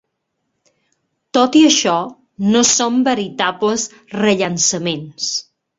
Tot i això no són veritables rellançaments.